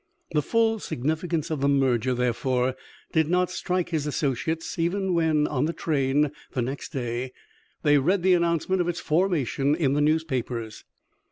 The full significance of the merger, therefore, did not strike his associates, even when, on the train, the next day, they read the announcement of its formation in the newspapers.